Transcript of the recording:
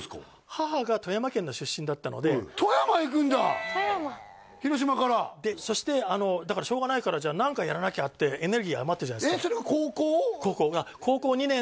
母が富山県の出身だったので富山行くんだ広島からそしてだからしょうがないからじゃあ何かやらなきゃってエネルギー余ってるじゃないですかえっそれは高校？